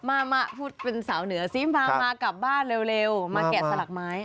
มาพูดเป็นสาวเหนือซิมากลับบ้านเร็วมาแกะสลักไม้